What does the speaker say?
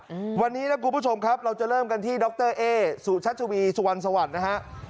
อืมวันนี้นะคุณผู้ชมครับเราจะเริ่มกันที่ดรเอสุชัชวีสุวรรณสวัสดิ์นะฮะ